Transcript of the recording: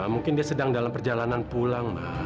mungkin dia sedang dalam perjalanan pulang